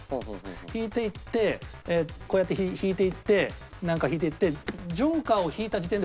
引いていってこうやって引いていってなんか引いていってＪＯＫＥＲを引かないで。